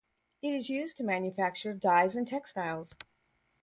It is used to manufacture dyes and textiles.